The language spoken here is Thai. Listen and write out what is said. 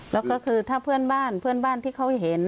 แล้วก็คือถ้าเพื่อนบ้านเพื่อนบ้านที่เขาเห็น